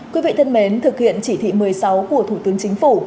quý vị thân mến thực hiện chỉ thị một mươi sáu của thủ tướng chính phủ